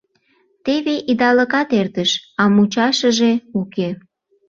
Теве идалыкат эртыш, а мучашыже уке.